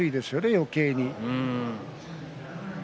よけいに。